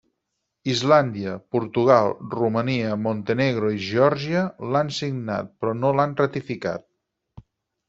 Islàndia, Portugal, Romania, Montenegro i Geòrgia l'han signat però no l'han ratificat.